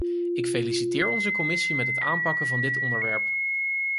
Ik feliciteer onze commissie met het aanpakken van dit onderwerp.